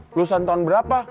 lulusan tahun berapa